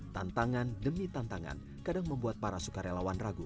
tantangan demi tantangan kadang membuat para sukarelawan ragu